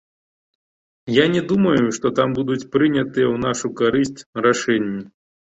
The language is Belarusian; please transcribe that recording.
Я не думаю, што там будуць прынятыя ў нашу карысць рашэнні.